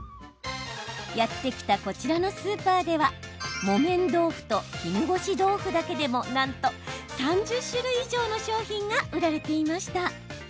やって来たこちらのスーパーでは木綿豆腐と絹ごし豆腐だけでもなんと３０種類以上の商品が売られていました。